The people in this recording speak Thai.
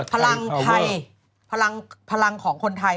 พลังไทยพลังของคนไทย